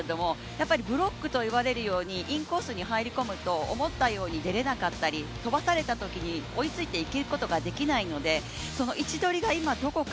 やっぱりブロックといわれるようにインコースに入り込むと思ったように出れなかったり、飛ばされたときに追いついていくことができないので位置取りが今、どこか。